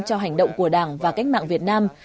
cho hành động của đảng và cách mạng việt nam